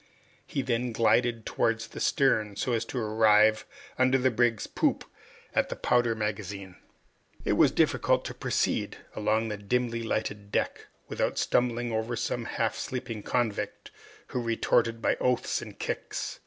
He then glided towards the stern, so as to arrive under the brig's poop at the powder magazine. It was difficult to proceed along the dimly lighted deck without stumbling over some half sleeping convict, who retorted by oaths and kicks.